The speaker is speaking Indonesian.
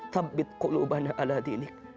tabbitqulubana ala dinik